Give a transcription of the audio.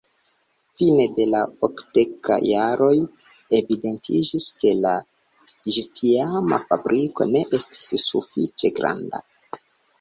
Fine de la okdekaj jaroj, evidentiĝis ke la ĝistiama fabriko ne estis sufiĉe granda.